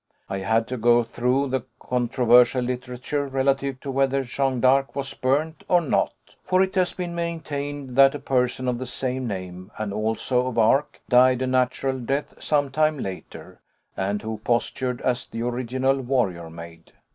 I had to go through the controversial literature relative to whether Jeanne d'Arc was burnt or not, for it has been maintained that a person of the same name, and also of Arques, died a natural death some time later, and who postured as the original warrior maid.